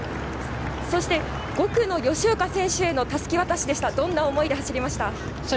５区の吉岡選手へのたすき渡しどんな思いで走りましたか？